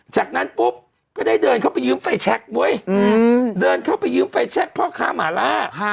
จากนั้นปุ๊บก็ได้เดินเข้ายืมไฟแชคเพื่อคะมาลา